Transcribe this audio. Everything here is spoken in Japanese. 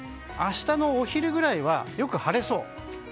明日のお昼ぐらいはよく晴れそう。